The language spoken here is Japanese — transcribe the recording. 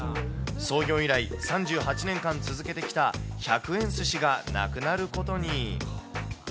創業以来３８年間続けてきた１００円ずしがなくなることに。